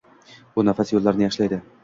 U nafas yo'llarini yahshilaydi.